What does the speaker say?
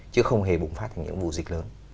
chứ không hề bùng phát thành những vụ dịch lớn